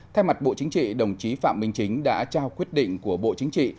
thay mặt bộ chính trị đồng chí phạm minh chính đã trao quyết định của bộ chính trị